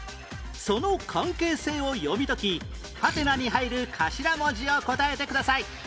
その関係性を読み解きハテナに入る頭文字を答えてください